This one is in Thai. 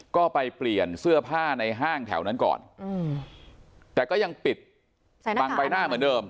ก็ไปเปลี่ยนเสื้อผ้าในห้างแถวนั้นก่อนแต่ก็ยังปิดบังใบหน้าเหมือนเดิม